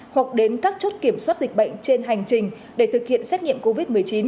hoặc đến các chốt kiểm soát dịch bệnh trên hành trình để thực hiện xét nghiệm covid một mươi chín